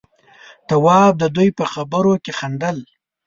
تواب د دوي په خبرو کې خندل.